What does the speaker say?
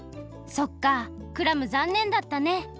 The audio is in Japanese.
そっかクラムざんねんだったね。